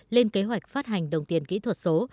lên kế hoạch phát hành đồng tiền kỹ thuật số